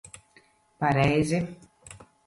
Pareizi.